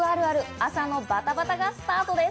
朝のバタバタがスタートです。